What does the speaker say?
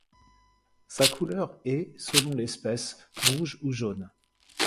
Sa couleur est selon l'espèce, rouge ou jaune.